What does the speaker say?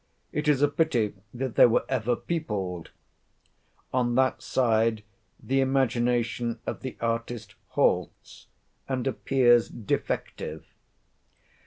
It is a pity that they were ever peopled. On that side, the imagination of the artist halts, and appears defective.